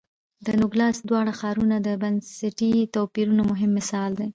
د نوګالس دواړه ښارونه د بنسټي توپیرونو مهم مثال دی.